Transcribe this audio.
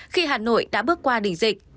khi hà nội đã bước qua đỉnh dịch